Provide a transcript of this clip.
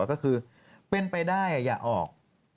ก็คือเป็นไปได้อย่าออก